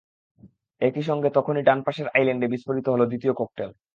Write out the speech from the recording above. একই সঙ্গে তখনই ডান পাশের আইল্যান্ডে বিস্ফোরিত হলো দ্বিতীয় ককটেল।